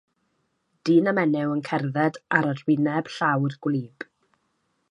Dyn a menyw yn cerdded ar arwyneb llawr gwlyb.